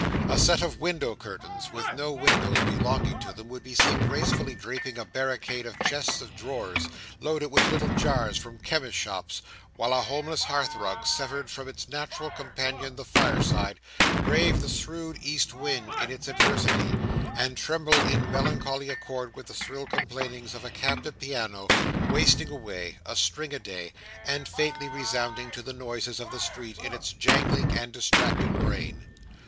A set of window curtains with no windows belonging to them, would be seen gracefully draping a barricade of chests of drawers, loaded with little jars from chemists' shops; while a homeless hearthrug severed from its natural companion the fireside, braved the shrewd east wind in its adversity, and trembled in melancholy accord with the shrill complainings of a cabinet piano, wasting away, a string a day, and faintly resounding to the noises of the street in its jangling and distracted brain.